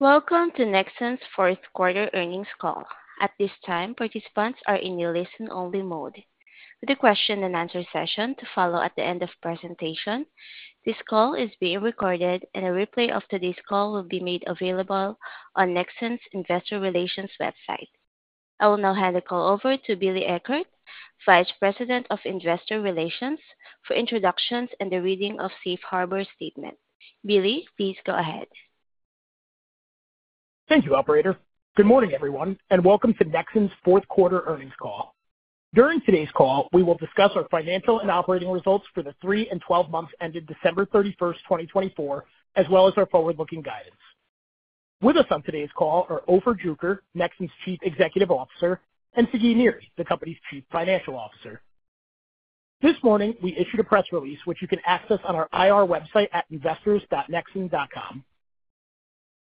Welcome to Nexxen's fourth quarter earnings call. At this time, participants are in your listen-only mode. The question-and-answer session to follow at the end of the presentation. This call is being recorded, and a replay of today's call will be made available on Nexxen's investor relations website. I will now hand the call over to Billy Eckert, Vice President of Investor Relations, for introductions and the reading of Safe Harbor Statement. Billy, please go ahead. Thank you, Operator. Good morning, everyone, and welcome to Nexxen's fourth quarter earnings call. During today's call, we will discuss our financial and operating results for the three and twelve months ended December 31st, 2024, as well as our forward-looking guidance. With us on today's call are Ofer Druker, Nexxen's Chief Executive Officer, and Sagi Niri, the company's Chief Financial Officer. This morning, we issued a press release, which you can access on our IR website at investors.nexxen.com.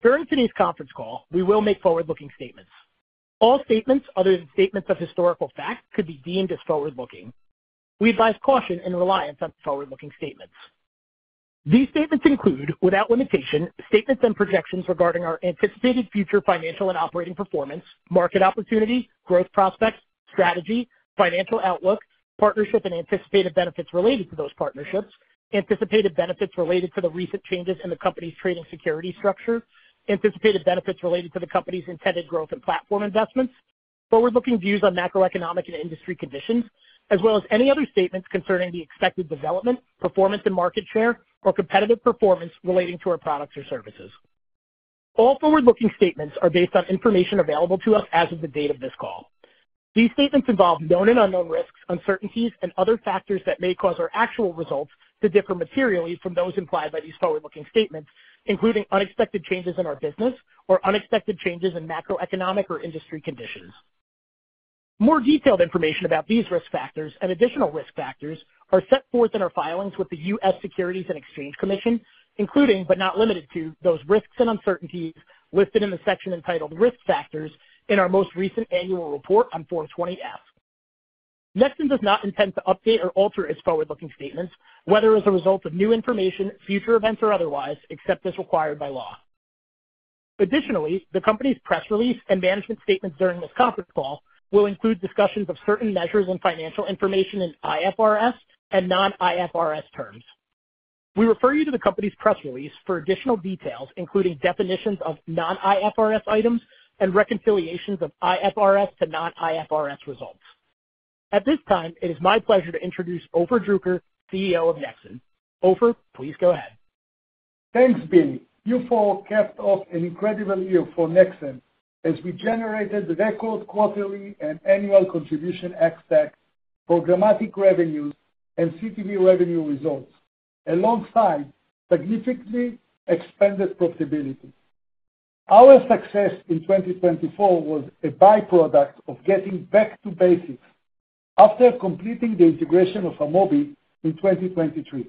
During today's conference call, we will make forward-looking statements. All statements other than statements of historical fact could be deemed as forward-looking. We advise caution in reliance on forward-looking statements. These statements include, without limitation, statements and projections regarding our anticipated future financial and operating performance, market opportunity, growth prospects, strategy, financial outlook, partnership and anticipated benefits related to those partnerships, anticipated benefits related to the recent changes in the company's trading security structure, anticipated benefits related to the company's intended growth and platform investments, forward-looking views on macroeconomic and industry conditions, as well as any other statements concerning the expected development, performance in market share, or competitive performance relating to our products or services. All forward-looking statements are based on information available to us as of the date of this call. These statements involve known and unknown risks, uncertainties, and other factors that may cause our actual results to differ materially from those implied by these forward-looking statements, including unexpected changes in our business or unexpected changes in macroeconomic or industry conditions. More detailed information about these risk factors and additional risk factors are set forth in our filings with the U.S. Securities and Exchange Commission, including but not limited to those risks and uncertainties listed in the section entitled Risk Factors in our most recent annual report on 420F. Nexxen does not intend to update or alter its forward-looking statements, whether as a result of new information, future events, or otherwise, except as required by law. Additionally, the company's press release and management statements during this conference call will include discussions of certain measures and financial information in IFRS and non-IFRS terms. We refer you to the company's press release for additional details, including definitions of non-IFRS items and reconciliations of IFRS to non-IFRS results. At this time, it is my pleasure to introduce Ofer Druker, CEO of Nexxen. Ofer, please go ahead. Thanks, Billy. You four kept off an incredible year for Nexxen as we generated record quarterly and annual contribution ex-TAC, programmatic revenues, and CTV revenue results, alongside significantly expanded profitability. Our success in 2024 was a byproduct of getting back to basics after completing the integration of Amobee in 2023.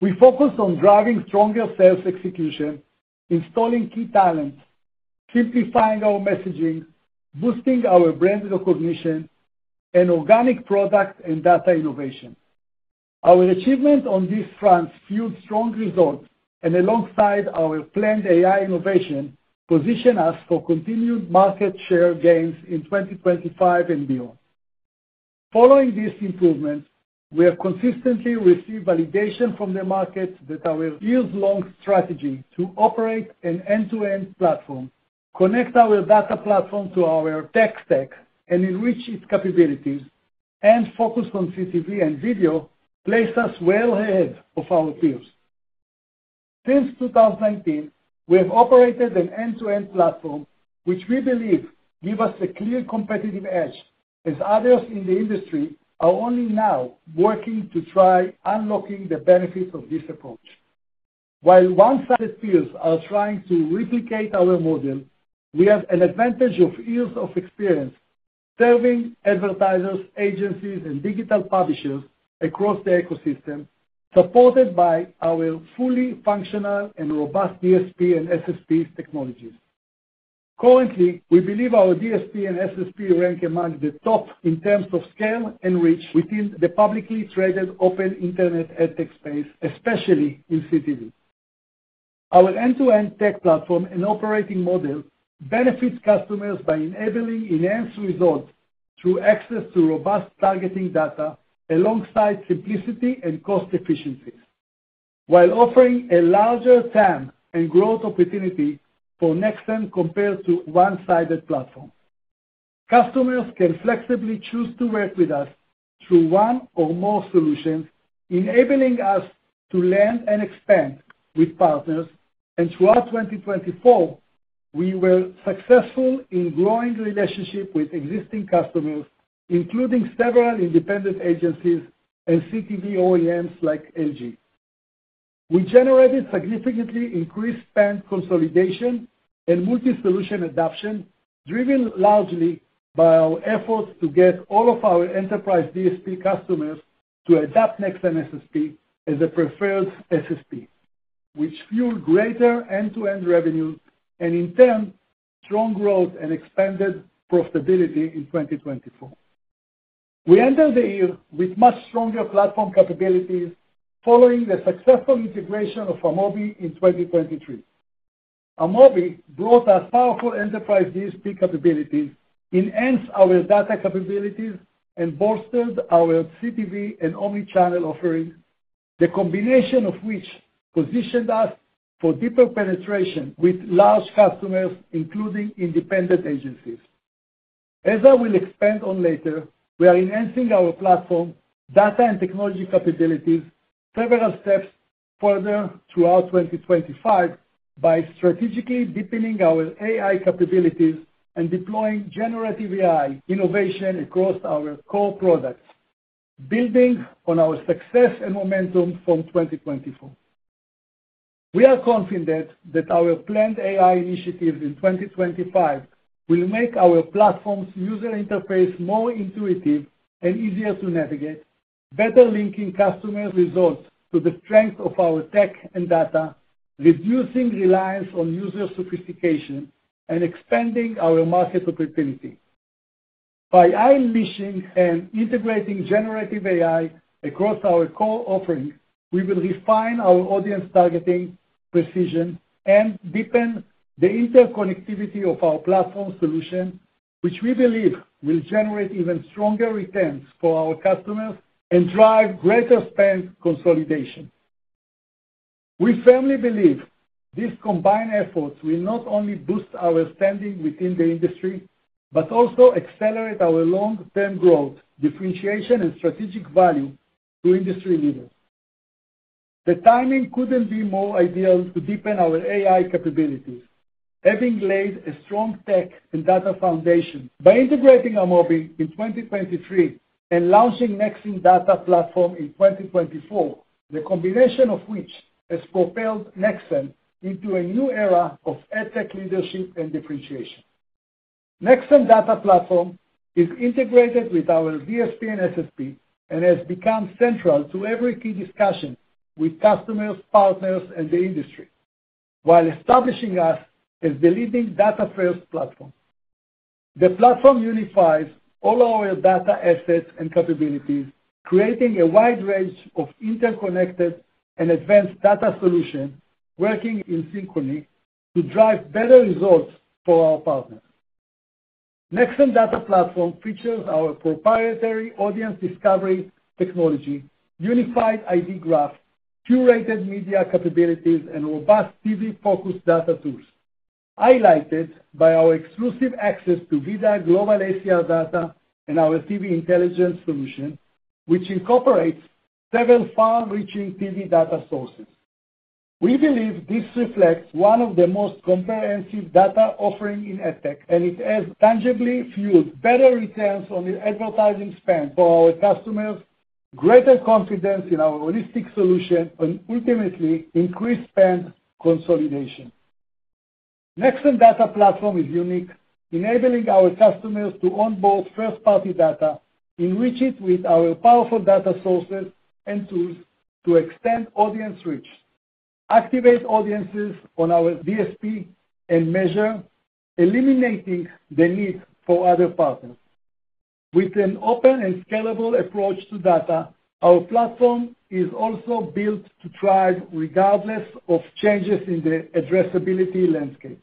We focused on driving stronger sales execution, installing key talents, simplifying our messaging, boosting our brand recognition, and organic product and data innovation. Our achievement on these fronts fueled strong results, and alongside our planned AI innovation, positioned us for continued market share gains in 2025 and beyond. Following these improvements, we have consistently received validation from the market that our years-long strategy to operate an end-to-end platform, connect our data platform to our tech stack, and enrich its capabilities, and focus on CTV and video, placed us well ahead of our peers. Since 2019, we have operated an end-to-end platform, which we believe gives us a clear competitive edge, as others in the industry are only now working to try unlocking the benefits of this approach. While one-sided peers are trying to replicate our model, we have an advantage of years of experience serving advertisers, agencies, and digital publishers across the ecosystem, supported by our fully functional and robust DSP and SSP technologies. Currently, we believe our DSP and SSP rank among the top in terms of scale and reach within the publicly traded open internet ad tech space, especially in CTV. Our end-to-end tech platform and operating model benefit customers by enabling enhanced results through access to robust targeting data alongside simplicity and cost efficiencies, while offering a larger time and growth opportunity for Nexxen compared to one-sided platforms. Customers can flexibly choose to work with us through one or more solutions, enabling us to land and expand with partners, and throughout 2024, we were successful in growing relationships with existing customers, including several independent agencies and CTV OEMs like LG. We generated significantly increased spend consolidation and multi-solution adoption, driven largely by our efforts to get all of our enterprise DSP customers to adopt Nexxen SSP as a preferred SSP, which fueled greater end-to-end revenues and, in turn, strong growth and expanded profitability in 2024. We entered the year with much stronger platform capabilities following the successful integration of Amobee in 2023. Amobee brought us powerful enterprise DSP capabilities, enhanced our data capabilities, and bolstered our CTV and omnichannel offerings, the combination of which positioned us for deeper penetration with large customers, including independent agencies. As I will expand on later, we are enhancing our platform, data and technology capabilities several steps further throughout 2025 by strategically deepening our AI capabilities and deploying generative AI innovation across our core products, building on our success and momentum from 2024. We are confident that our planned AI initiatives in 2025 will make our platform's user interface more intuitive and easier to navigate, better linking customer results to the strength of our tech and data, reducing reliance on user sophistication, and expanding our market opportunity. By unleashing and integrating generative AI across our core offerings, we will refine our audience targeting precision and deepen the interconnectivity of our platform solution, which we believe will generate even stronger returns for our customers and drive greater spend consolidation. We firmly believe these combined efforts will not only boost our standing within the industry but also accelerate our long-term growth, differentiation, and strategic value to industry leaders. The timing could not be more ideal to deepen our AI capabilities, having laid a strong tech and data foundation. By integrating Amobee in 2023 and launching Nexxen Data Platform in 2024, the combination of which has propelled Nexxen into a new era of ad tech leadership and differentiation. Nexxen Data Platform is integrated with our DSP and SSP and has become central to every key discussion with customers, partners, and the industry, while establishing us as the leading data-first platform. The platform unifies all our data assets and capabilities, creating a wide range of interconnected and advanced data solutions working in synchrony to drive better results for our partners. Nexxen Data Platform features our proprietary audience discovery technology, unified ID graph, curated media capabilities, and robust TV-focused data tools, highlighted by our exclusive access to VIDAA Global Asia data and our TV intelligence solution, which incorporates several far-reaching TV data sources. We believe this reflects one of the most comprehensive data offerings in ad tech, and it has tangibly fueled better returns on advertising spend for our customers, greater confidence in our holistic solution, and ultimately increased spend consolidation. Nexxen Data Platform is unique, enabling our customers to onboard first-party data, enrich it with our powerful data sources and tools to extend audience reach, activate audiences on our DSP, and measure, eliminating the need for other partners. With an open and scalable approach to data, our platform is also built to thrive regardless of changes in the addressability landscape.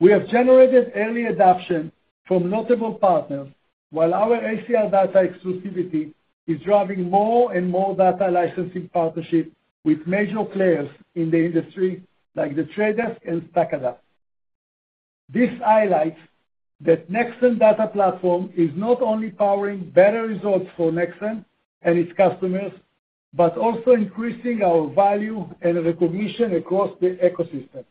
We have generated early adoption from notable partners, while our ACR data exclusivity is driving more and more data licensing partnerships with major players in the industry like The Trade Desk and StackAdapt. This highlights that Nexxen Data Platform is not only powering better results for Nexxen and its customers but also increasing our value and recognition across the ecosystem.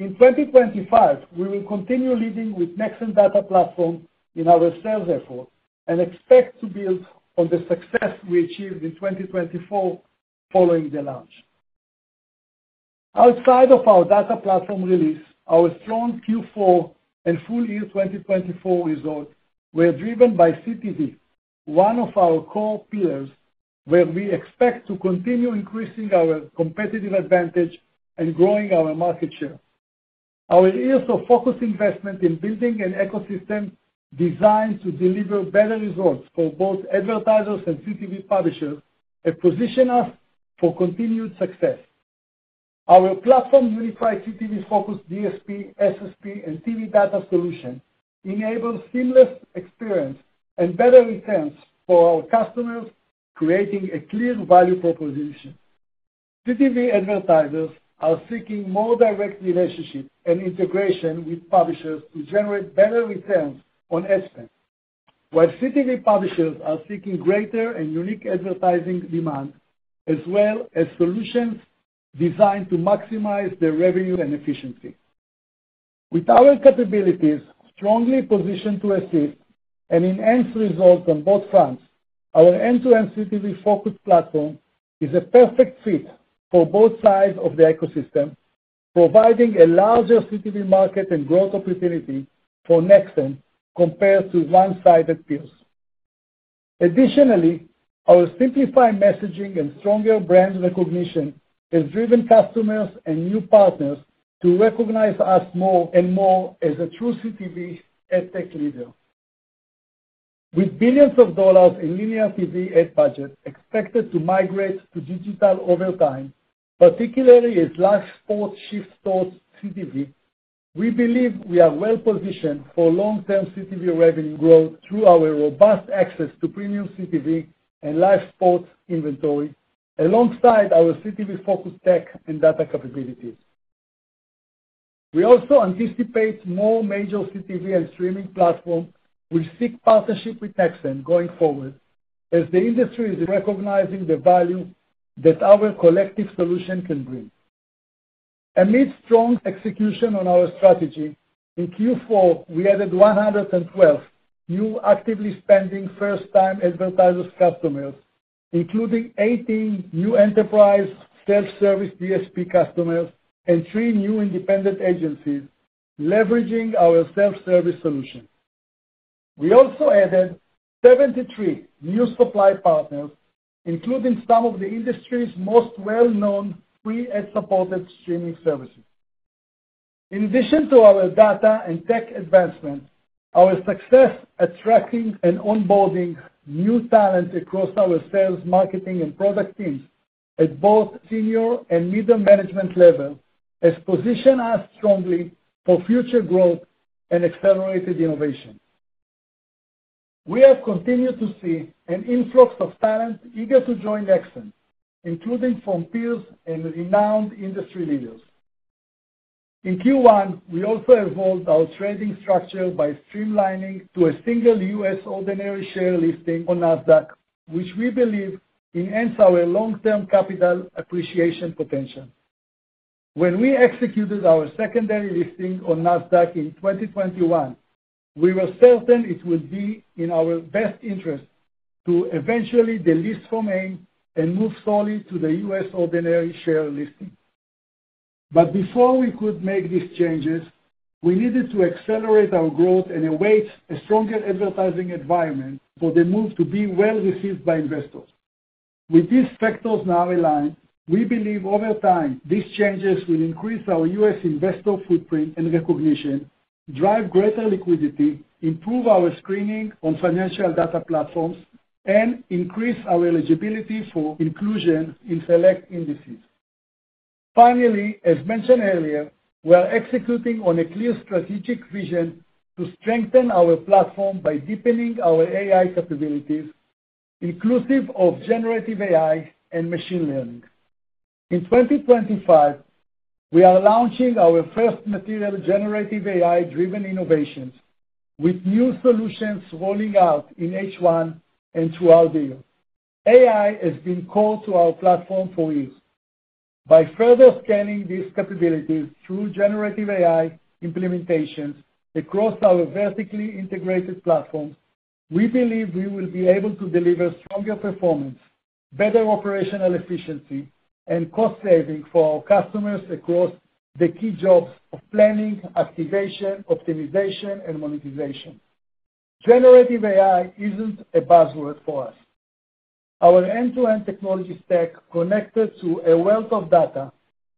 In 2025, we will continue leading with Nexxen Data Platform in our sales efforts and expect to build on the success we achieved in 2024 following the launch. Outside of our data platform release, our strong Q4 and full year 2024 results were driven by CTV, one of our core pillars, where we expect to continue increasing our competitive advantage and growing our market share. Our years of focused investment in building an ecosystem designed to deliver better results for both advertisers and CTV publishers have positioned us for continued success. Our platform unified CTV-focused DSP, SSP, and TV data solution enables seamless experience and better returns for our customers, creating a clear value proposition. CTV advertisers are seeking more direct relationships and integration with publishers to generate better returns on ad spend, while CTV publishers are seeking greater and unique advertising demand, as well as solutions designed to maximize their revenue and efficiency. With our capabilities strongly positioned to assist and enhance results on both fronts, our end-to-end CTV-focused platform is a perfect fit for both sides of the ecosystem, providing a larger CTV market and growth opportunity for Nexxen compared to one-sided peers. Additionally, our simplified messaging and stronger brand recognition have driven customers and new partners to recognize us more and more as a true CTV ad tech leader. With billions of dollars in linear TV ad budgets expected to migrate to digital over time, particularly as live sports shift towards CTV, we believe we are well positioned for long-term CTV revenue growth through our robust access to premium CTV and live sports inventory alongside our CTV-focused tech and data capabilities. We also anticipate more major CTV and streaming platforms will seek partnership with Nexxen going forward as the industry is recognizing the value that our collective solution can bring. Amid strong execution on our strategy, in Q4, we added 112 new actively spending first-time advertiser customers, including 18 new enterprise self-service DSP customers and three new independent agencies leveraging our self-service solution. We also added 73 new supply partners, including some of the industry's most well-known free ad-supported streaming services. In addition to our data and tech advancements, our success attracting and onboarding new talent across our sales, marketing, and product teams at both senior and middle management levels has positioned us strongly for future growth and accelerated innovation. We have continued to see an influx of talent eager to join Nexxen, including from peers and renowned industry leaders. In Q1, we also evolved our trading structure by streamlining to a single US ordinary share listing on Nasdaq, which we believe enhances our long-term capital appreciation potential. When we executed our secondary listing on Nasdaq in 2021, we were certain it would be in our best interest to eventually delist from AIM and move solely to the U.S. ordinary share listing. Before we could make these changes, we needed to accelerate our growth and await a stronger advertising environment for the move to be well received by investors. With these factors now aligned, we believe over time these changes will increase our US investor footprint and recognition, drive greater liquidity, improve our screening on financial data platforms, and increase our eligibility for inclusion in select indices. Finally, as mentioned earlier, we are executing on a clear strategic vision to strengthen our platform by deepening our AI capabilities, inclusive of generative AI and machine learning. In 2025, we are launching our first material generative AI-driven innovations, with new solutions rolling out in H1 and throughout the year. AI has been core to our platform for years. By further scaling these capabilities through generative AI implementations across our vertically integrated platforms, we believe we will be able to deliver stronger performance, better operational efficiency, and cost savings for our customers across the key jobs of planning, activation, optimization, and monetization. Generative AI is not a buzzword for us. Our end-to-end technology stack connected to a wealth of data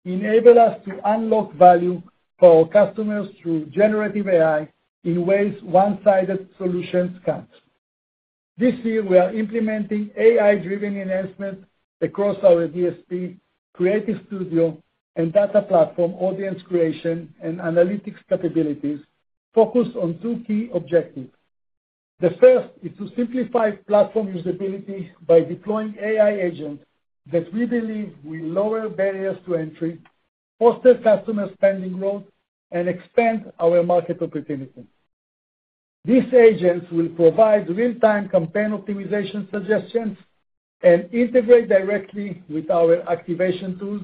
enables us to unlock value for our customers through generative AI in ways one-sided solutions cannot. This year, we are implementing AI-driven enhancements across our DSP, Creative Studio, and Data Platform audience creation and analytics capabilities focused on two key objectives. The first is to simplify platform usability by deploying AI agents that we believe will lower barriers to entry, foster customer spending growth, and expand our market opportunities. These agents will provide real-time campaign optimization suggestions and integrate directly with our activation tools,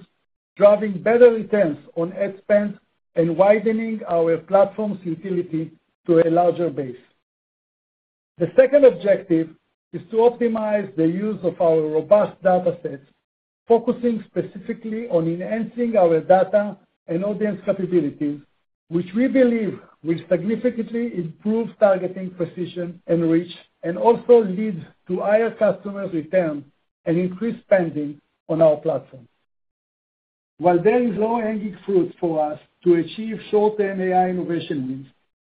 driving better returns on ad spend and widening our platform's utility to a larger base. The second objective is to optimize the use of our robust data sets, focusing specifically on enhancing our data and audience capabilities, which we believe will significantly improve targeting precision and reach and also lead to higher customer returns and increased spending on our platform. While there is low-hanging fruit for us to achieve short-term AI innovation wins,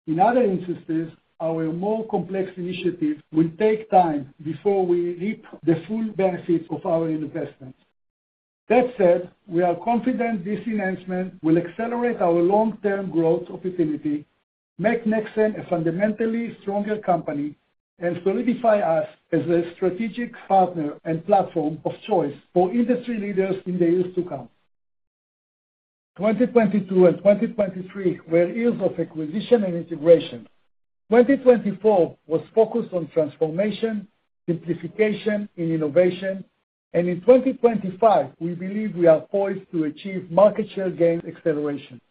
in other instances, our more complex initiatives will take time before we reap the full benefits of our investments. That said, we are confident this enhancement will accelerate our long-term growth opportunity, make Nexxen a fundamentally stronger company, and solidify us as a strategic partner and platform of choice for industry leaders in the years to come. 2022 and 2023 were years of acquisition and integration. 2024 was focused on transformation, simplification, and innovation, and in 2025, we believe we are poised to achieve market share gain acceleration.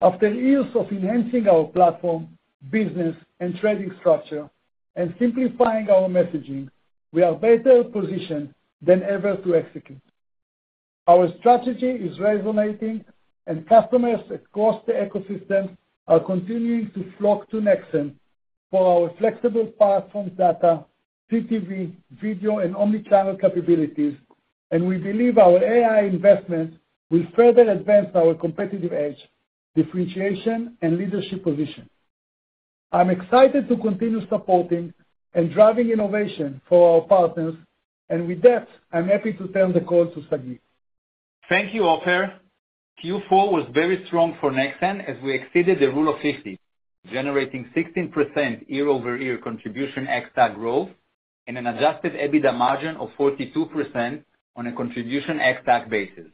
After years of enhancing our platform, business, and trading structure, and simplifying our messaging, we are better positioned than ever to execute. Our strategy is resonating, and customers across the ecosystem are continuing to flock to Nexxen for our flexible platform, data, CTV, video, and omnichannel capabilities, and we believe our AI investments will further advance our competitive edge, differentiation, and leadership position. I'm excited to continue supporting and driving innovation for our partners, and with that, I'm happy to turn the call to Sagi. Thank you, Ofer. Q4 was very strong for Nexxen as we exceeded the rule of 50, generating 16% year-over-year contribution ex-TAC growth and an adjusted EBITDA margin of 42% on a contribution ex-TAC basis.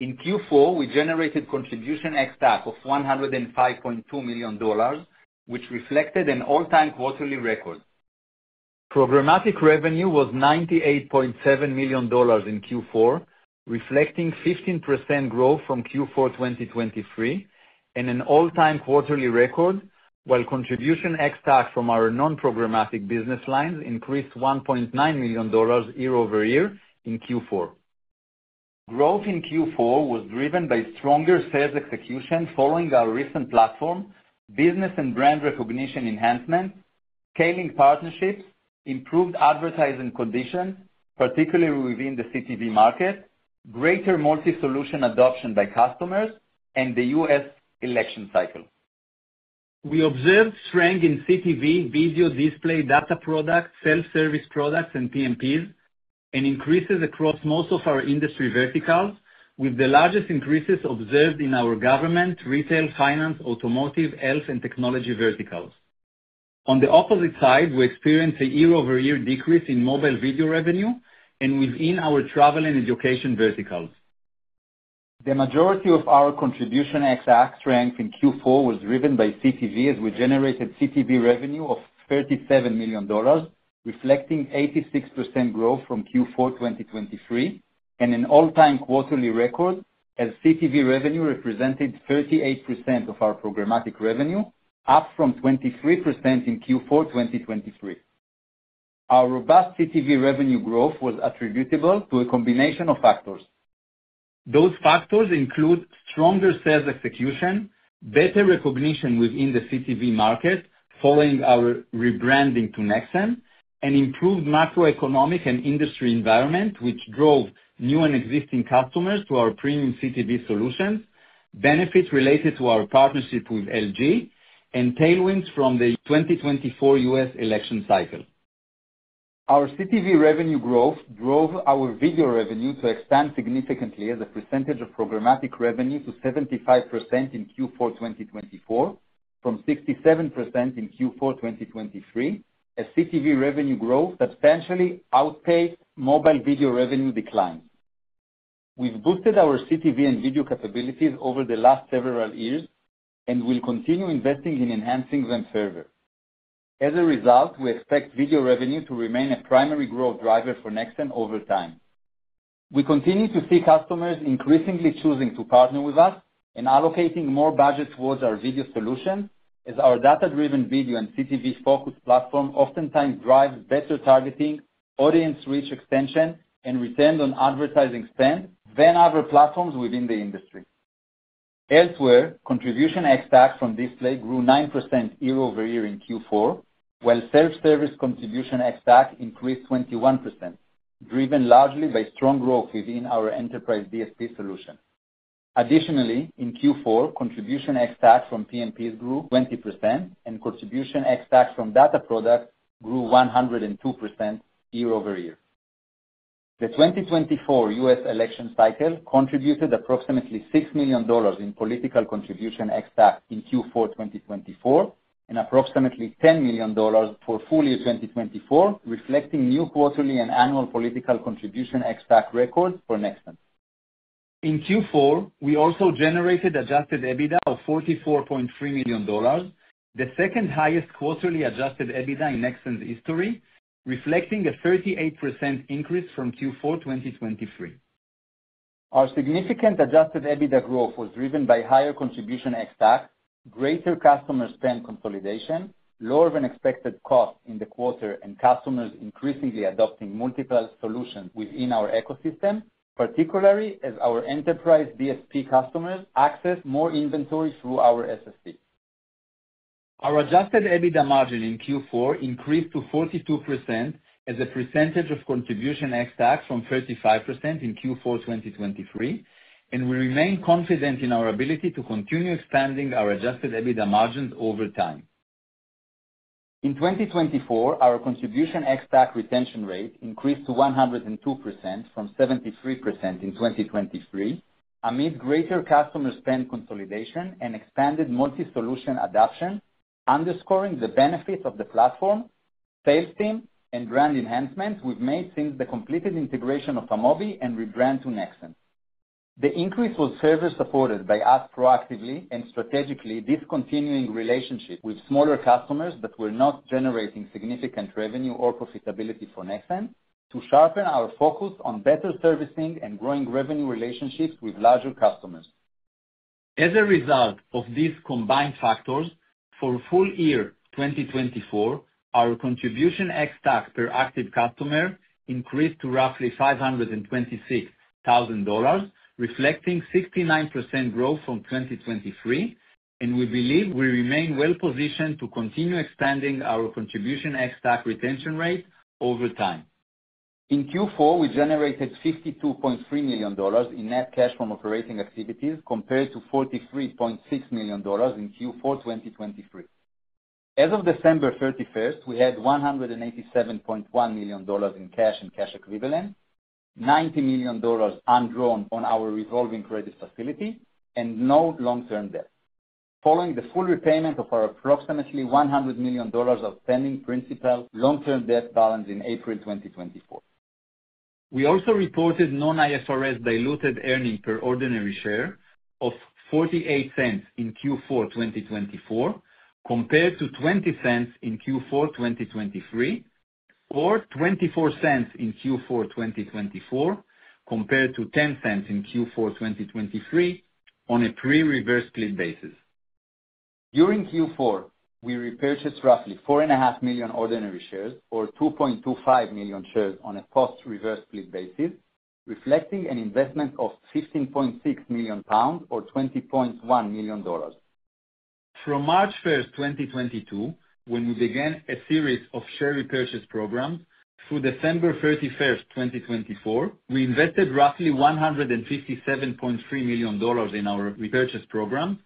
In Q4, we generated contribution ex-TAC of $105.2 million, which reflected an all-time quarterly record. Programmatic revenue was $98.7 million in Q4, reflecting 15% growth from Q4 2023 and an all-time quarterly record, while contribution ex-TAC from our non-programmatic business lines increased $1.9 million year-over-year in Q4. Growth in Q4 was driven by stronger sales execution following our recent platform, business and brand recognition enhancement, scaling partnerships, improved advertising conditions, particularly within the CTV market, greater multi-solution adoption by customers, and the U.S. election cycle. We observed strength in CTV, video, display, data products, self-service products, and PMPs, and increases across most of our industry verticals, with the largest increases observed in our government, retail, finance, automotive, health, and technology verticals. On the opposite side, we experienced a year-over-year decrease in mobile video revenue and within our travel and education verticals. The majority of our contribution ex-TAC strength in Q4 was driven by CTV as we generated CTV revenue of $37 million, reflecting 86% growth from Q4 2023 and an all-time quarterly record as CTV revenue represented 38% of our programmatic revenue, up from 23% in Q4 2023. Our robust CTV revenue growth was attributable to a combination of factors. Those factors include stronger sales execution, better recognition within the CTV market following our rebranding to Nexxen, an improved macroeconomic and industry environment which drove new and existing customers to our premium CTV solutions, benefits related to our partnership with LG, and tailwinds from the 2024 US election cycle. Our CTV revenue growth drove our video revenue to expand significantly as a percentage of programmatic revenue to 75% in Q4 2024 from 67% in Q4 2023, as CTV revenue growth substantially outpaced mobile video revenue declines. We've boosted our CTV and video capabilities over the last several years and will continue investing in enhancing them further. As a result, we expect video revenue to remain a primary growth driver for Nexxen over time. We continue to see customers increasingly choosing to partner with us and allocating more budget towards our video solutions as our data-driven video and CTV-focused platform oftentimes drives better targeting, audience reach extension, and return on advertising spend than other platforms within the industry. Elsewhere, contribution ex-TAC from display grew 9% year-over-year in Q4, while self-service contribution ex-TAC increased 21%, driven largely by strong growth within our enterprise DSP solution. Additionally, in Q4, contribution ex-TAC from PMPs grew 20% and contribution ex-TAC from data products grew 102% year-over-year. The 2024 U.S. election cycle contributed approximately $6 million in political contribution ex-TAC in Q4 2024 and approximately $10 million for full year 2024, reflecting new quarterly and annual political contribution ex-TAC records for Nexxen. In Q4, we also generated adjusted EBITDA of $44.3 million, the second highest quarterly adjusted EBITDA in Nexxen's history, reflecting a 38% increase from Q4 2023. Our significant adjusted EBITDA growth was driven by higher contribution ex-TAC, greater customer spend consolidation, lower than expected costs in the quarter, and customers increasingly adopting multiple solutions within our ecosystem, particularly as our enterprise DSP customers access more inventory through our SSP. Our adjusted EBITDA margin in Q4 increased to 42% as a percentage of contribution ex-TAC from 35% in Q4 2023, and we remain confident in our ability to continue expanding our adjusted EBITDA margins over time. In 2024, our contribution ex-TAC retention rate increased to 102% from 73% in 2023 amid greater customer spend consolidation and expanded multi-solution adoption, underscoring the benefits of the platform, sales team, and brand enhancements we've made since the completed integration of Amobee and rebrand to Nexxen. The increase was further supported by us proactively and strategically discontinuing relationships with smaller customers that were not generating significant revenue or profitability for Nexxen to sharpen our focus on better servicing and growing revenue relationships with larger customers. As a result of these combined factors, for full year 2024, our contribution ex-TAC per active customer increased to roughly $526,000, reflecting 69% growth from 2023, and we believe we remain well positioned to continue expanding our contribution ex-TAC retention rate over time. In Q4, we generated $52.3 million in net cash from operating activities compared to $43.6 million in Q4 2023. As of December 31, we had $187.1 million in cash and cash equivalent, $90 million undrawn on our revolving credit facility, and no long-term debt, following the full repayment of our approximately $100 million outstanding principal long-term debt balance in April 2024. We also reported non-IFRS diluted earnings per ordinary share of $0.48 in Q4 2024 compared to $0.20 in Q4 2023, or $0.24 in Q4 2024 compared to $0.10 in Q4 2023 on a pre-reverse split basis. During Q4, we repurchased roughly 4.5 million ordinary shares, or 2.25 million shares on a post-reverse split basis, reflecting an investment of 15.6 million pounds or $20.1 million. From March 1st, 2022, when we began a series of share repurchase programs, through December 31st, 2024, we invested roughly $157.3 million in our repurchase programs,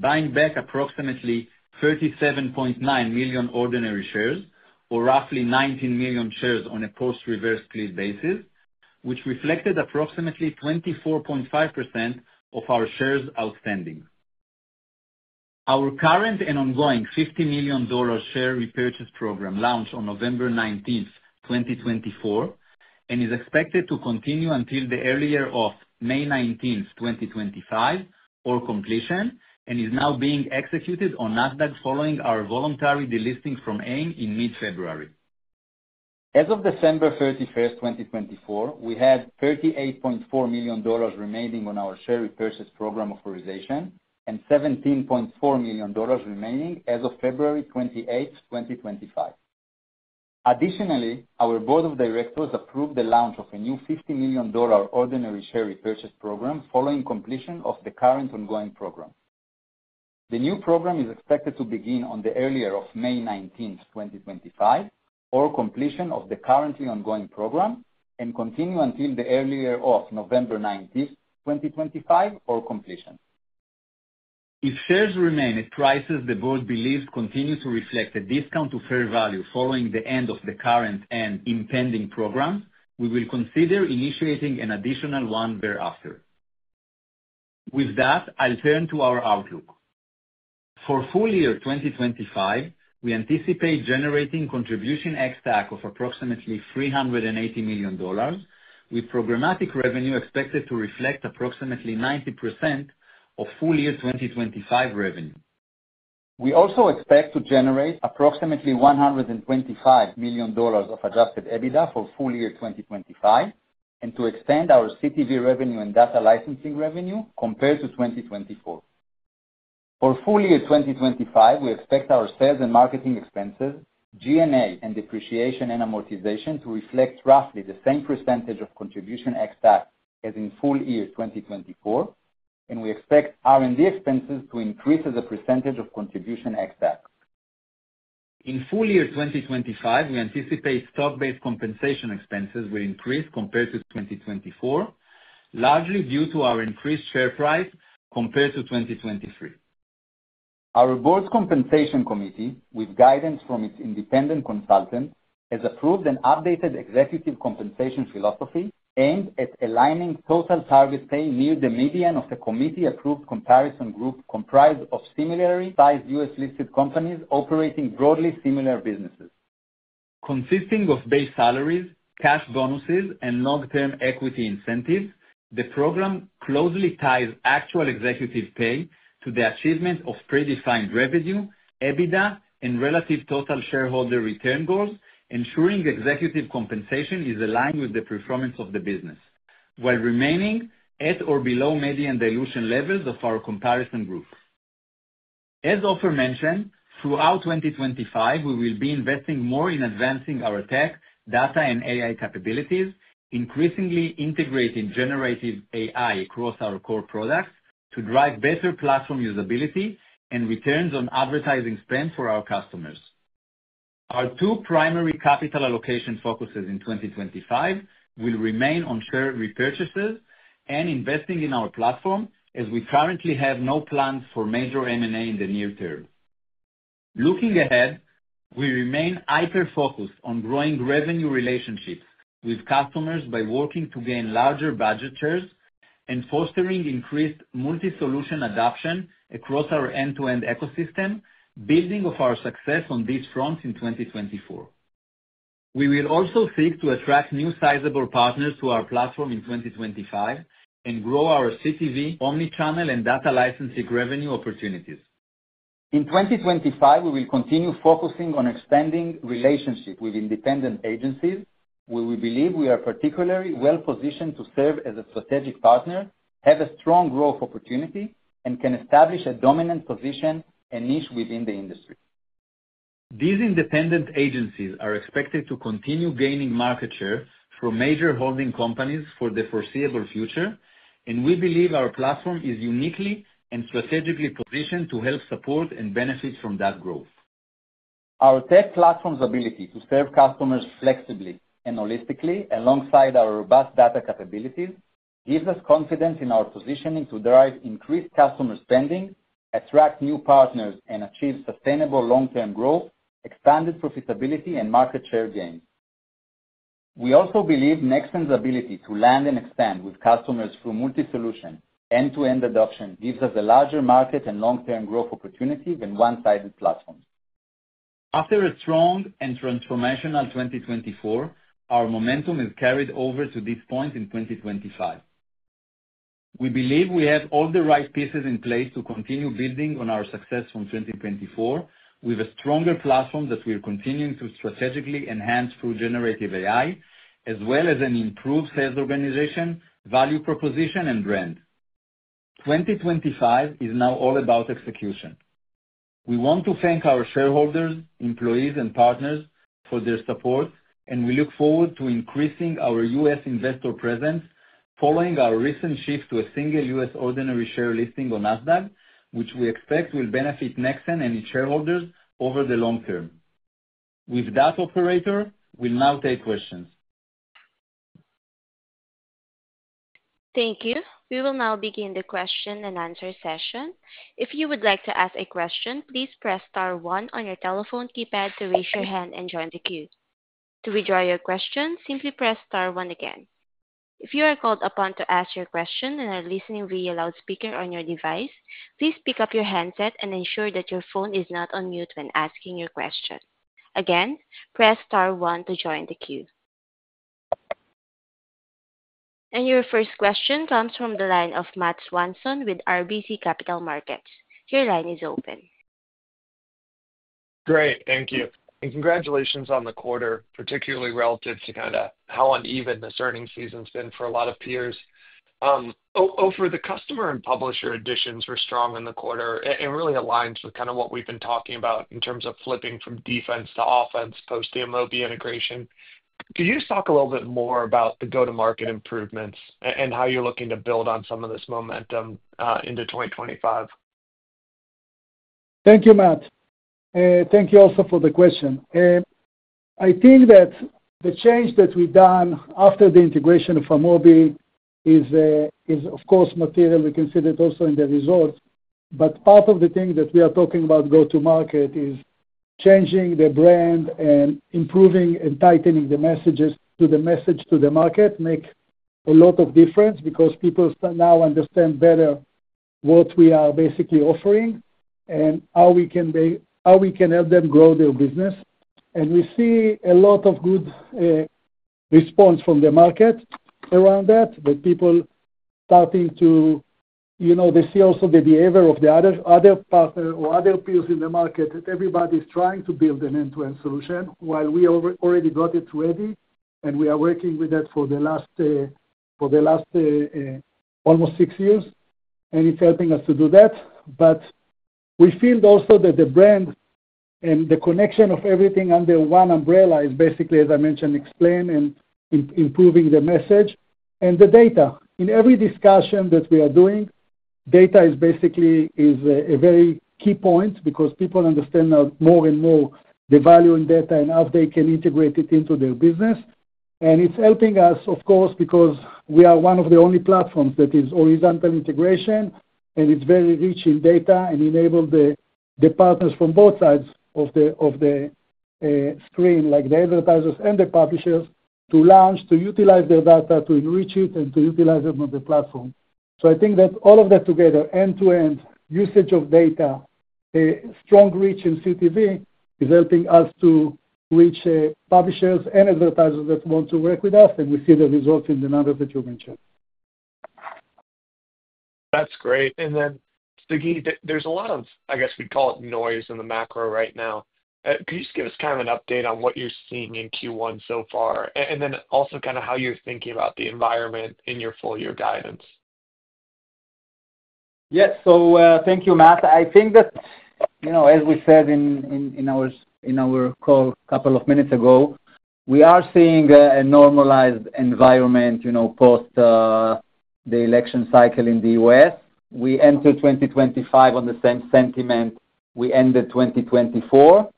buying back approximately 37.9 million ordinary shares, or roughly 19 million shares on a cost-reverse split basis, which reflected approximately 24.5% of our shares outstanding. Our current and ongoing $50 million share repurchase program launched on November 19th, 2024, and is expected to continue until the earlier of May 19th, 2025, or completion, and is now being executed on NASDAQ following our voluntary delisting from AIM in mid-February. As of December 31st, 2024, we had $38.4 million remaining on our share repurchase program authorization and $17.4 million remaining as of February 28th, 2025. Additionally, our Board of Directors approved the launch of a new $50 million ordinary share repurchase program following completion of the current ongoing program. The new program is expected to begin on the earlier of May 19th, 2025, or completion of the currently ongoing program, and continue until the earlier of November 19th, 2025, or completion. If shares remain at prices the board believes continue to reflect a discount to fair value following the end of the current and impending programs, we will consider initiating an additional one thereafter. With that, I'll turn to our outlook. For full year 2025, we anticipate generating contribution ex-TAC of approximately $380 million, with programmatic revenue expected to reflect approximately 90% of full year 2025 revenue. We also expect to generate approximately $125 million of adjusted EBITDA for full year 2025 and to extend our CTV revenue and data licensing revenue compared to 2024. For full year 2025, we expect our sales and marketing expenses, G&A, and depreciation and amortization to reflect roughly the same percentage of contribution ex-TAC as in full year 2024, and we expect R&D expenses to increase as a percentage of contribution ex-TAC. In full year 2025, we anticipate stock-based compensation expenses will increase compared to 2024, largely due to our increased share price compared to 2023. Our Board's Compensation Committee, with guidance from its independent consultants, has approved an updated executive compensation philosophy aimed at aligning total target pay near the median of the committee-approved comparison group comprised of similarly sized U.S. listed companies operating broadly similar businesses. Consisting of base salaries, cash bonuses, and long-term equity incentives, the program closely ties actual executive pay to the achievement of predefined revenue, EBITDA, and relative total shareholder return goals, ensuring executive compensation is aligned with the performance of the business while remaining at or below median dilution levels of our comparison group. As Ofer mentioned, throughout 2025, we will be investing more in advancing our tech, data, and AI capabilities, increasingly integrating generative AI across our core products to drive better platform usability and returns on advertising spend for our customers. Our two primary capital allocation focuses in 2025 will remain on share repurchases and investing in our platform, as we currently have no plans for major M&A in the near term. Looking ahead, we remain hyper-focused on growing revenue relationships with customers by working to gain larger budget shares and fostering increased multi-solution adoption across our end-to-end ecosystem, building on our success on these fronts in 2024. We will also seek to attract new sizable partners to our platform in 2025 and grow our CTV, omnichannel, and data licensing revenue opportunities. In 2025, we will continue focusing on expanding relationships with independent agencies, where we believe we are particularly well positioned to serve as a strategic partner, have a strong growth opportunity, and can establish a dominant position and niche within the industry. These independent agencies are expected to continue gaining market share from major holding companies for the foreseeable future, and we believe our platform is uniquely and strategically positioned to help support and benefit from that growth. Our tech platform's ability to serve customers flexibly and holistically, alongside our robust data capabilities, gives us confidence in our positioning to drive increased customer spending, attract new partners, and achieve sustainable long-term growth, expanded profitability, and market share gains. We also believe Nexxen's ability to land and expand with customers through multi-solution end-to-end adoption gives us a larger market and long-term growth opportunity than one-sided platforms. After a strong and transformational 2024, our momentum is carried over to this point in 2025. We believe we have all the right pieces in place to continue building on our success from 2024 with a stronger platform that we're continuing to strategically enhance through generative AI, as well as an improved sales organization, value proposition, and brand. 2025 is now all about execution. We want to thank our shareholders, employees, and partners for their support, and we look forward to increasing our U.S. investor presence following our recent shift to a single US ordinary share listing on Nasdaq, which we expect will benefit Nexxen and its shareholders over the long term. With that, Operator, we'll now take questions. Thank you. We will now begin the question and answer session. If you would like to ask a question, please press star one on your telephone keypad to raise your hand and join the queue. To withdraw your question, simply press star one again. If you are called upon to ask your question and are listening via loudspeaker on your device, please pick up your handset and ensure that your phone is not on mute when asking your question. Again, press star one to join the queue. Your first question comes from the line of Matt Swanson with RBC Capital Markets. Your line is open. Great. Thank you. Congratulations on the quarter, particularly relative to kind of how uneven this earning season has been for a lot of peers. Over the customer and publisher additions, we're strong in the quarter and really aligned with kind of what we've been talking about in terms of flipping from defense to offense post the Amobee integration. Could you just talk a little bit more about the go-to-market improvements and how you're looking to build on some of this momentum into 2025? Thank you, Matt. Thank you also for the question. I think that the change that we've done after the integration of Amobee is, of course, material. We can see that also in the results. Part of the thing that we are talking about go-to-market is changing the brand and improving and tightening the messages to the market makes a lot of difference because people now understand better what we are basically offering and how we can help them grow their business. We see a lot of good response from the market around that, that people starting to, you know, they see also the behavior of the other partner or other peers in the market that everybody's trying to build an end-to-end solution while we already got it ready, and we are working with that for the last almost six years, and it's helping us to do that. We feel also that the brand and the connection of everything under one umbrella is basically, as I mentioned, explain and improving the message and the data. In every discussion that we are doing, data is basically a very key point because people understand more and more the value in data and how they can integrate it into their business. It is helping us, of course, because we are one of the only platforms that is horizontal integration, and it is very rich in data and enables the partners from both sides of the screen, like the advertisers and the publishers, to launch, to utilize their data, to enrich it, and to utilize it on the platform. I think that all of that together, end-to-end usage of data, strong reach in CTV is helping us to reach publishers and advertisers that want to work with us, and we see the results in the numbers that you mentioned. That's great. Sagi, there is a lot of, I guess we would call it noise in the macro right now. Could you just give us kind of an update on what you're seeing in Q1 so far? Also, kind of how you're thinking about the environment in your full-year guidance? Yes. Thank you, Matt. I think that, you know, as we said in our call a couple of minutes ago, we are seeing a normalized environment, you know, post the election cycle in the U.S. We entered 2025 on the same sentiment we ended 2024.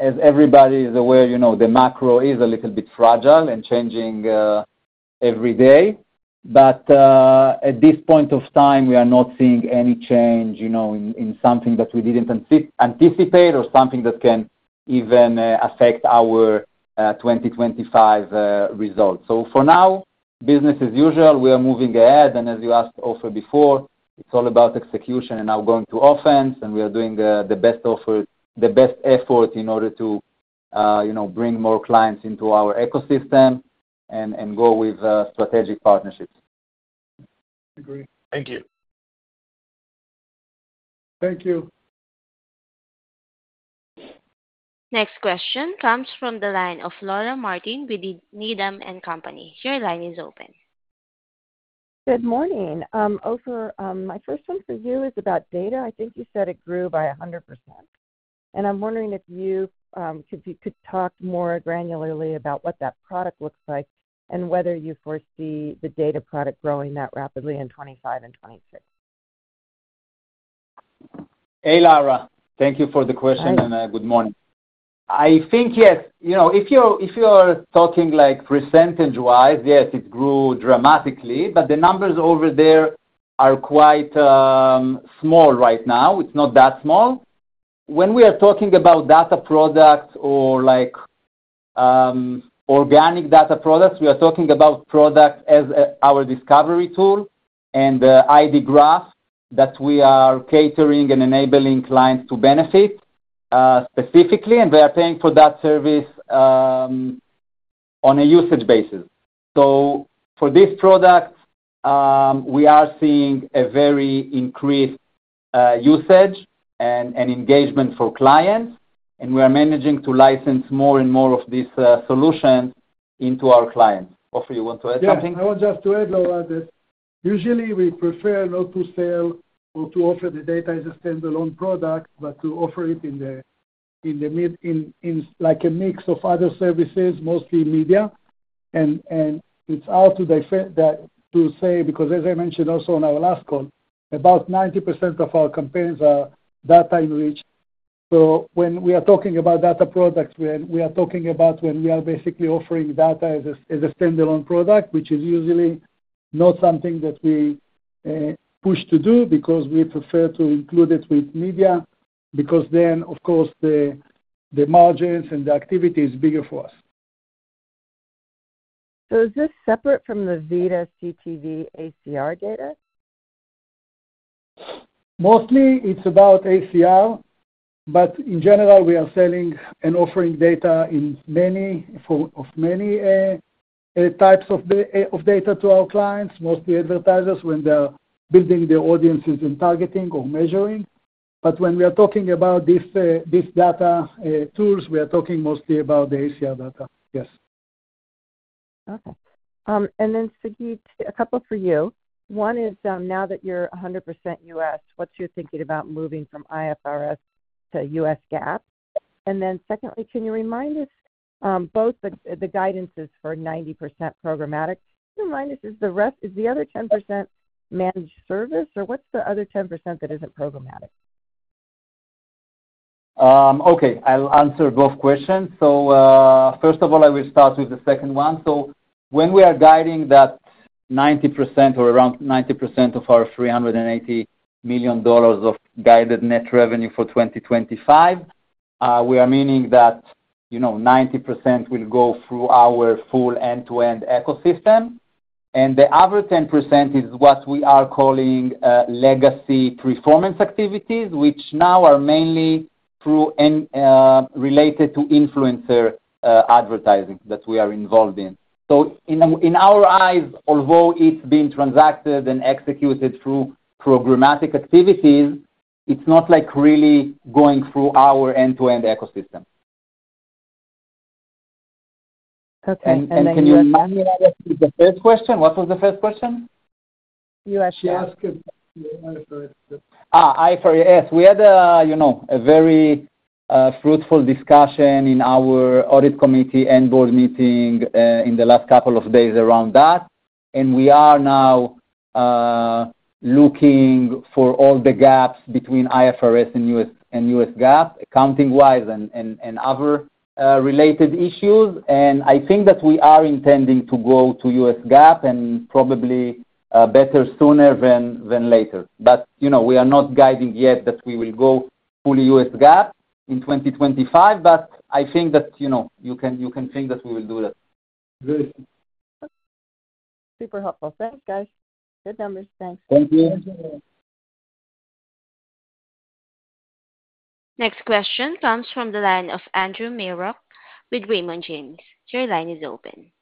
As everybody is aware, you know, the macro is a little bit fragile and changing every day. At this point of time, we are not seeing any change, you know, in something that we didn't anticipate or something that can even affect our 2025 results. For now, business as usual, we are moving ahead. As you asked, Ofer before, it's all about execution and now going to offense, and we are doing the best effort in order to, you know, bring more clients into our ecosystem and go with strategic partnerships. Agreed. Thank you. Thank you. Next question comes from the line of Laura Martin with Needham & Company. Your line is open. Good morning. Ofer, my first one for you is about data. I think you said it grew by 100%. And I'm wondering if you could talk more granularly about what that product looks like and whether you foresee the data product growing that rapidly in 2025 and 2026. Hey, Laura. Thank you for the question and good morning. I think, yes. You know, if you're talking like percentage-wise, yes, it grew dramatically, but the numbers over there are quite small right now. It's not that small. When we are talking about data products or organic data products, we are talking about products as our discovery tool and ID graph that we are catering and enabling clients to benefit specifically, and they are paying for that service on a usage basis. For this product, we are seeing a very increased usage and engagement for clients, and we are managing to license more and more of these solutions into our clients. Ofer, you want to add something? Yes. I want just to add, Laura, that usually we prefer not to sell or to offer the data as a standalone product, but to offer it in the mid like a mix of other services, mostly media. It's hard to say because, as I mentioned also on our last call, about 90% of our campaigns are data-enriched. When we are talking about data products, we are talking about when we are basically offering data as a standalone product, which is usually not something that we push to do because we prefer to include it with media, because then, of course, the margins and the activity is bigger for us. Is this separate from the VIDAA CTV ACR data? Mostly, it's about ACR, but in general, we are selling and offering data in many types of data to our clients, mostly advertisers when they are building their audiences and targeting or measuring. When we are talking about these data tools, we are talking mostly about the ACR data. Yes. Okay. Sagi, a couple for you. One is now that you're 100% U.S., what's your thinking about moving from IFRS to US GAAP? Then secondly, can you remind us both the guidances for 90% programmatic? Can you remind us, is the other 10% managed service or what's the other 10% that isn't programmatic? Okay. I'll answer both questions. First of all, I will start with the second one. When we are guiding that 90% or around 90% of our $380 million of guided net revenue for 2025, we are meaning that, you know, 90% will go through our full end-to-end ecosystem. The other 10% is what we are calling legacy performance activities, which now are mainly related to influencer advertising that we are involved in. In our eyes, although it's been transacted and executed through programmatic activities, it's not really going through our end-to-end ecosystem. Okay. Can you remind me the first question? What was the first question? US GAAP. She asked you about the US GAAP. IFRS. Yes. We had a very fruitful discussion in our audit committee and board meeting in the last couple of days around that. We are now looking for all the gaps between IFRS and US GAAP, accounting-wise and other related issues. I think that we are intending to go to US GAAP and probably better sooner than later. We are not guiding yet that we will go fully US GAAP in 2025, but I think that you can think that we will do that. Great. Super helpful. Thanks, guys. Good numbers. Thanks. Thank you. Thank you. Next question comes from the line of Andrew Marok with Raymond James. Your line is open.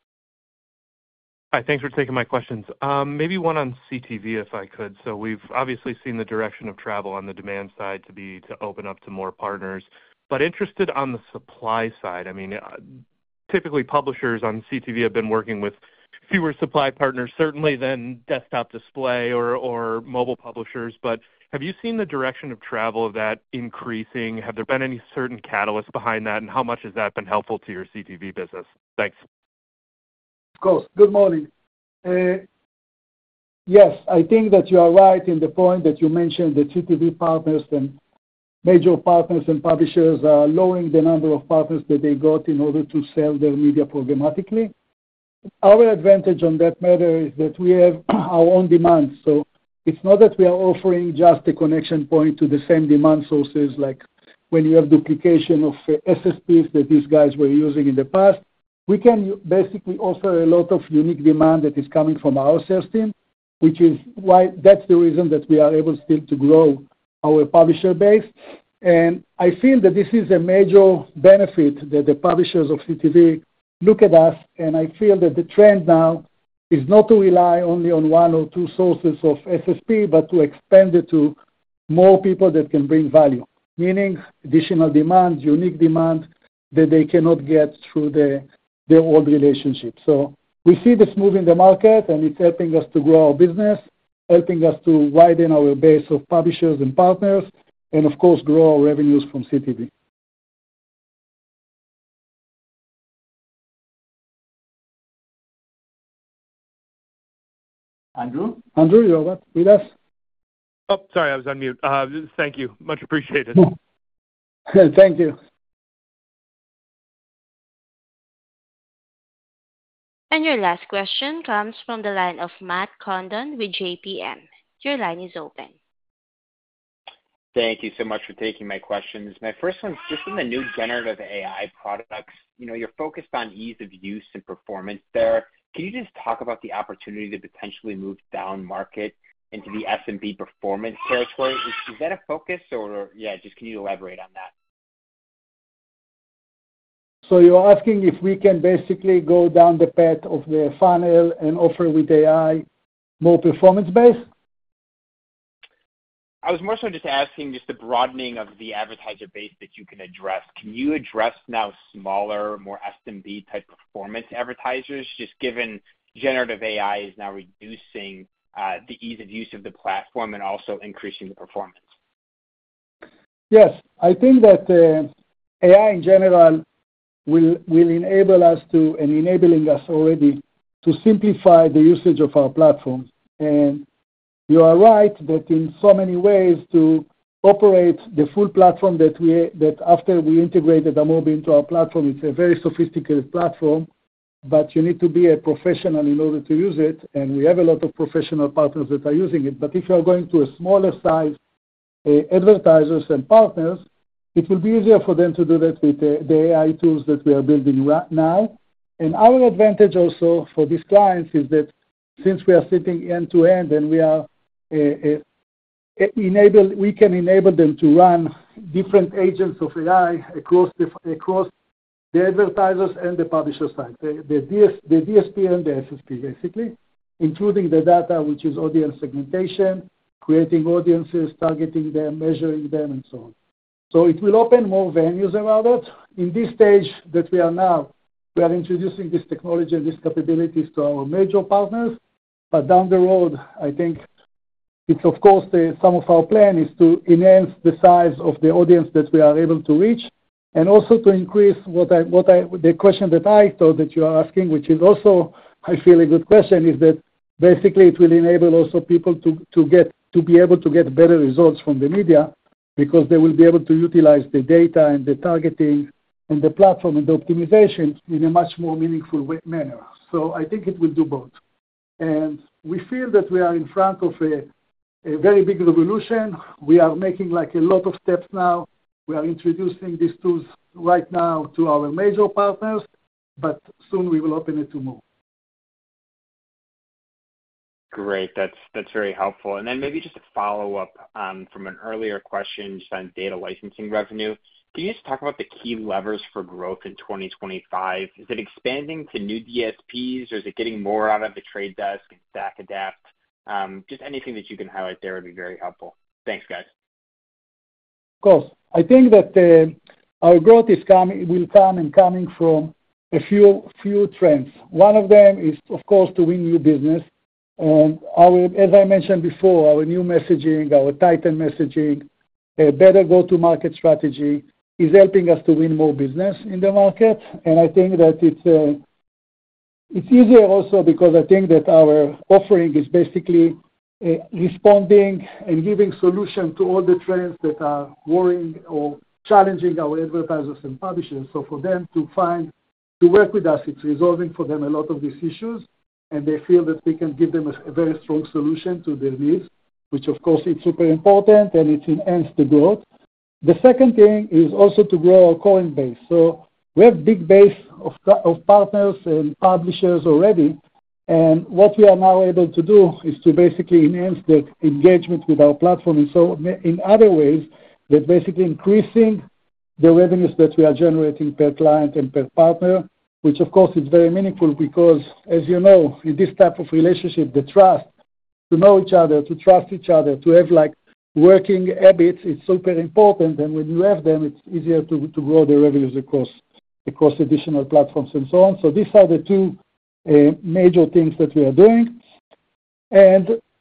Hi. Thanks for taking my questions. Maybe one on CTV, if I could. We have obviously seen the direction of travel on the demand side to be to open up to more partners, but interested on the supply side. I mean, typically, publishers on CTV have been working with fewer supply partners, certainly than desktop display or mobile publishers. Have you seen the direction of travel of that increasing? Have there been any certain catalysts behind that, and how much has that been helpful to your CTV business? Thanks. Of course. Good morning. Yes. I think that you are right in the point that you mentioned that CTV partners and major partners and publishers are lowering the number of partners that they got in order to sell their media programmatically. Our advantage on that matter is that we have our own demands. It is not that we are offering just a connection point to the same demand sources like when you have duplication of SSPs that these guys were using in the past. We can basically offer a lot of unique demand that is coming from our sales team, which is why that is the reason that we are able still to grow our publisher base. I feel that this is a major benefit that the publishers of CTV look at us, and I feel that the trend now is not to rely only on one or two sources of SSP, but to expand it to more people that can bring value, meaning additional demand, unique demand that they cannot get through their old relationship. We see this move in the market, and it is helping us to grow our business, helping us to widen our base of publishers and partners, and of course, grow our revenues from CTV. Andrew? Andrew, you are with us? Oh, sorry. I was on mute. Thank you. Much appreciated. Thank you. Your last question comes from the line of Matt Condon with JPMorgan. Your line is open. Thank you so much for taking my questions. My first one is just on the new generative AI products. You are focused on ease of use and performance there. Can you just talk about the opportunity to potentially move down market into the S&B performance territory? Is that a focus, or yeah, just can you elaborate on that? You are asking if we can basically go down the path of the funnel and offer with AI more performance-based? I was more so just asking just the broadening of the advertiser base that you can address. Can you address now smaller, more S&B-type performance advertisers, just given generative AI is now reducing the ease of use of the platform and also increasing the performance? Yes. I think that AI, in general, will enable us to, and enabling us already, to simplify the usage of our platforms. You are right that in so many ways to operate the full platform that after we integrated the move into our platform, it's a very sophisticated platform, but you need to be a professional in order to use it. We have a lot of professional partners that are using it. If you are going to a smaller size advertisers and partners, it will be easier for them to do that with the AI tools that we are building right now. Our advantage also for these clients is that since we are sitting end-to-end and we are enabled, we can enable them to run different agents of AI across the advertisers and the publisher side, the DSP and the SSP, basically, including the data, which is audience segmentation, creating audiences, targeting them, measuring them, and so on. It will open more venues around that. In this stage that we are now, we are introducing this technology and these capabilities to our major partners. Down the road, I think it's, of course, some of our plan is to enhance the size of the audience that we are able to reach and also to increase what I, the question that I thought that you are asking, which is also, I feel, a good question, is that basically it will enable also people to be able to get better results from the media because they will be able to utilize the data and the targeting and the platform and the optimization in a much more meaningful manner. I think it will do both. We feel that we are in front of a very big revolution. We are making like a lot of steps now. We are introducing these tools right now to our major partners, but soon we will open it to more. Great. That's very helpful. Maybe just a follow-up from an earlier question just on data licensing revenue. Can you just talk about the key levers for growth in 2025? Is it expanding to new DSPs, or is it getting more out of The Trade Desk and StackAdapt? Just anything that you can highlight there would be very helpful. Thanks, guys. Of course. I think that our growth will come and come from a few trends. One of them is, of course, to win new business. As I mentioned before, our new messaging, our tighter messaging, better go-to-market strategy is helping us to win more business in the market. I think that it's easier also because I think that our offering is basically responding and giving solutions to all the trends that are worrying or challenging our advertisers and publishers. For them to find to work with us, it's resolving for them a lot of these issues, and they feel that we can give them a very strong solution to their needs, which, of course, is super important, and it enhanced the growth. The second thing is also to grow our current base. We have a big base of partners and publishers already. What we are now able to do is to basically enhance that engagement with our platform in other ways, basically increasing the revenues that we are generating per client and per partner, which, of course, is very meaningful because, as you know, in this type of relationship, the trust to know each other, to trust each other, to have working habits, it's super important. When you have them, it's easier to grow the revenues across additional platforms and so on. These are the two major things that we are doing.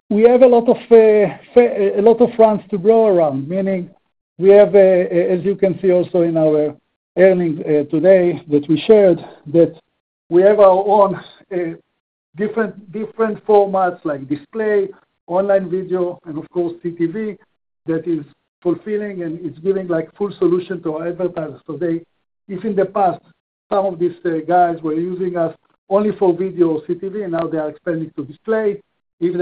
We have a lot of fronts to grow around, meaning we have, as you can see also in our earnings today that we shared, our own different formats like display, online video, and of course, CTV that is fulfilling and is giving full solution to our advertisers. If in the past some of these guys were using us only for video or CTV, now they are expanding to display. If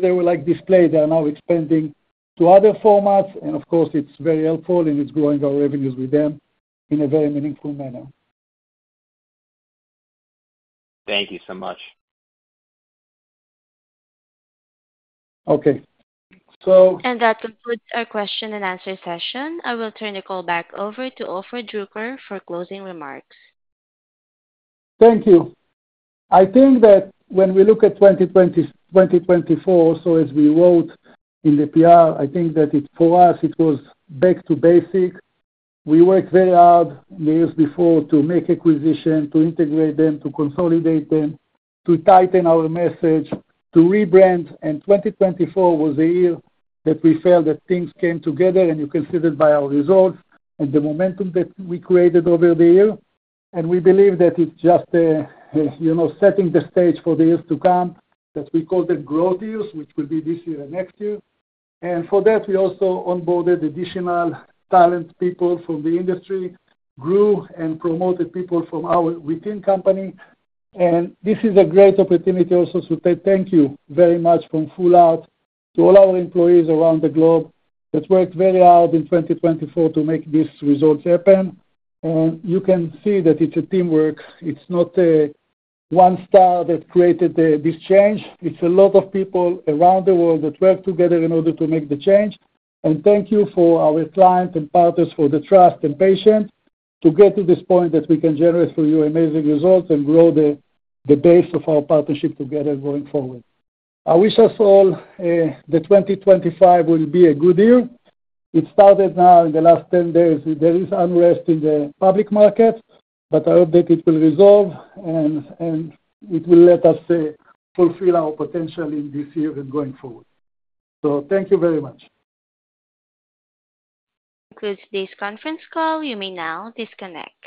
they were display, they are now expanding to other formats. It is very helpful, and it is growing our revenues with them in a very meaningful manner. Thank you so much. Okay. That concludes our question and answer session. I will turn the call back over to Ofer Druker for closing remarks. Thank you. I think that when we look at 2024, as we wrote in the PR, I think that for us, it was back to basic. We worked very hard years before to make acquisition, to integrate them, to consolidate them, to tighten our message, to rebrand. 2024 was a year that we felt that things came together, and you can see that by our results and the momentum that we created over the year. We believe that it is just setting the stage for the years to come that we call the growth years, which will be this year and next year. For that, we also onboarded additional talent people from the industry, grew and promoted people from our within company. This is a great opportunity also to thank you very much from full out to all our employees around the globe that worked very hard in 2024 to make these results happen. You can see that it's a teamwork. It's not one star that created this change. It's a lot of people around the world that worked together in order to make the change. Thank you for our clients and partners for the trust and patience to get to this point that we can generate for you amazing results and grow the base of our partnership together going forward. I wish us all that 2025 will be a good year. It started now in the last 10 days. There is unrest in the public market, but I hope that it will resolve, and it will let us fulfill our potential in this year and going forward. Thank you very much. This concludes this conference call. You may now disconnect.